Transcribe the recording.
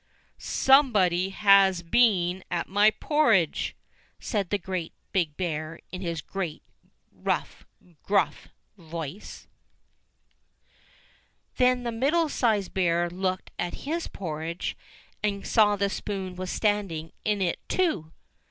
"SOMEBODY HAS BEEN AT MY PORRIDGE!" said the Great Big Bear in his great, rough, gruff voice. 22 ENGLISH FAIRY TALES Then the Middle sized Bear looked at his porridge and §aw the spoon was standing in it too.